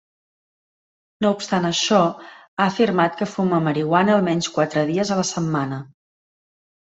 No obstant això, ha afirmat que fuma marihuana almenys quatre dies a la setmana.